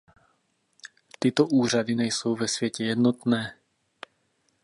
Tyto úřady nejsou ve světě jednotné.